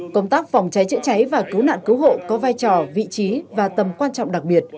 công tác phòng cháy chữa cháy và cứu nạn cứu hộ có vai trò vị trí và tầm quan trọng đặc biệt